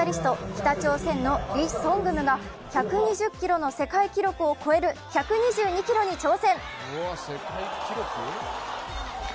北朝鮮のリ・ソングムが１２０キロの世界記録を超える１２２キロに挑戦。